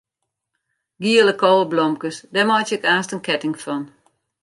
Giele koweblomkes, dêr meitsje ik aanst in ketting fan.